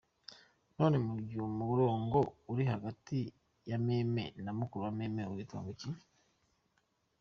none mugihe umurongo uri hagati yameme na mukuru wameme witwa ngwiki?.